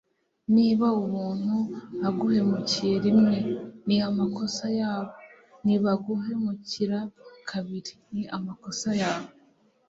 niba umuntu aguhemukiye rimwe, ni amakosa yabo; nibaguhemukira kabiri, ni amakosa yawe